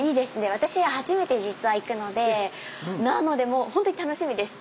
私初めて実は行くのでなのでもうほんとに楽しみです！